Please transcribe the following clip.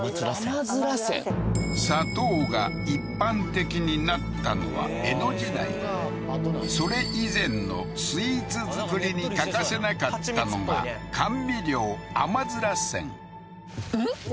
らせん砂糖が一般的になったのは江戸時代それ以前のスイーツ作りに欠かせなかったのが甘味料あまづらせんん？